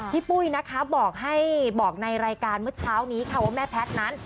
ปุ้ยนะคะบอกให้บอกในรายการเมื่อเช้านี้ค่ะว่าแม่แพทย์นั้น